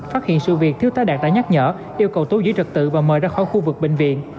phát hiện sự việc thiếu tá đạt đã nhắc nhở yêu cầu tú giữ trật tự và mời ra khỏi khu vực bệnh viện